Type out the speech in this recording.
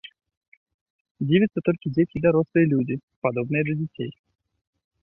Дзівяцца толькі дзеці і дарослыя людзі, падобныя да дзяцей.